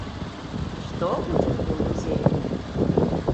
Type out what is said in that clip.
Што будзе ў тым музеі?